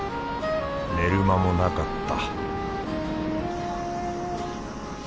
寝る間もなかった